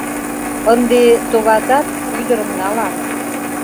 Ынде, товатат, ӱдырым налам...